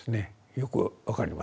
よく分かります。